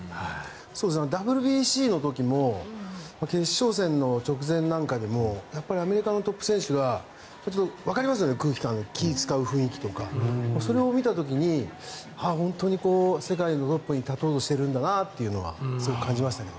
ＷＢＣの時も決勝戦の直前なんかでもやっぱりアメリカのトップ選手がわかりますよね、空気感気を使う雰囲気とかそれを見た時にああ、本当に世界のトップに立とうとしているんだなというのはすごく感じましたけど。